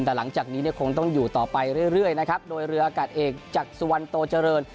แต่หลังจากนี้เนี่ยคงต้องอยู่ต่อไปเรื่อยนะครับโดยเรืออากาศเอกจากสุวรรณโตเจริญ